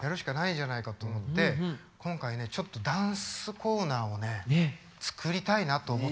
今回ねちょっとダンスコーナーを作りたいなと思ったの。